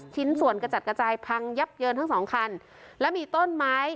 ชิ้นส่วนกระจัดกระจายพังยับเยินทั้งสองคันแล้วมีต้นไม้